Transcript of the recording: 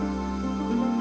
perasaan kita pernah ketemu